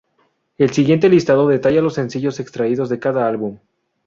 El siguiente listado detalla los sencillos extraídos de cada álbum.